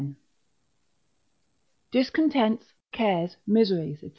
—_Discontents, Cares, Miseries, &c.